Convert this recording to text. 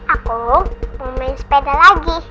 aku mau main sepeda lagi